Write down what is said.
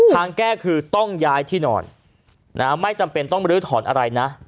ทางแก้คือต้องย้ายที่นอนไม่จำเป็นต้องลื้อถอนอะไรนะ